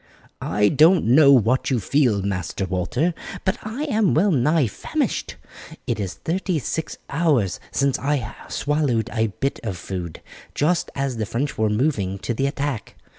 "I don't know what you feel, Master Walter, but I am well nigh famished. It is thirty six hours since I swallowed a bit of food, just as the French were moving to the attack.